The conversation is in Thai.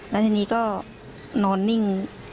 แล้วทีนี้ก็นอนนิ่ง